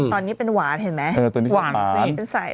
ตอนนี้เป็นหวานมาสไฟ